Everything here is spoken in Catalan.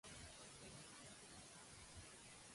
Per ma fe.